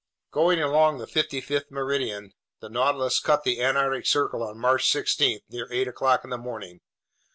Going along the 55th meridian, the Nautilus cut the Antarctic Circle on March 16 near eight o'clock in the morning.